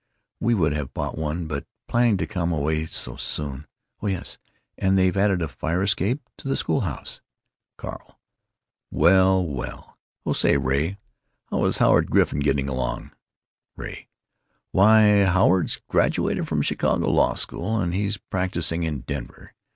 We would have bought one, but planning to come away so soon——Oh yes, and they've added a fire escape to the school house." Carl: "Well, well!... Oh, say, Ray, how is Howard Griffin getting along?" Ray: "Why, Howard's graduated from Chicago Law School, and he's practising in Denver.